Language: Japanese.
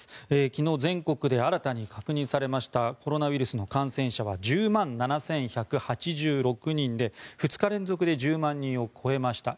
昨日、全国で新たに確認されましたコロナウイルスの感染者は１０万７１８６人で２日連続で１０万人を超えました。